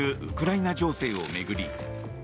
ウクライナ情勢を巡りＧ７